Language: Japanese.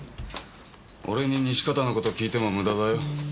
俺に西片の事聞いても無駄だよ。